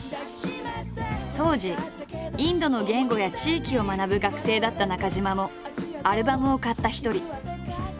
当時インドの言語や地域を学ぶ学生だった中島もアルバムを買った一人。